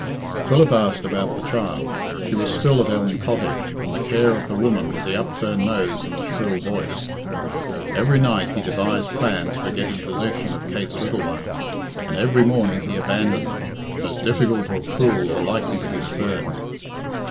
Philip asked about the child. She was still at Elm Cottage in the care of the woman with the upturned nose and the shrill voice. Every night he devised plans for getting possession of Kate's little one, and every morning he abandoned them, as difficult or cruel or likely to be spurned.